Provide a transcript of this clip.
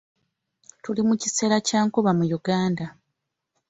Tuli mu kiseera kya nkuba mu Uganda.